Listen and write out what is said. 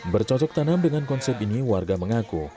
bercocok tanam dengan konsep ini warga mengaku